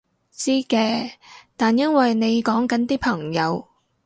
知嘅，但因為你講緊啲朋友